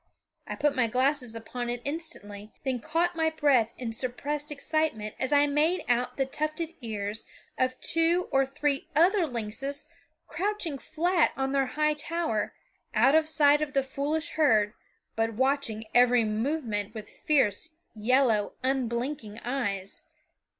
I put my glasses upon it instantly, then caught my breath in suppressed excitement as I made out the tufted ears of two or three other lynxes crouching flat on their high tower, out of sight of the foolish herd, but watching every movement with fierce, yellow, unblinking eyes.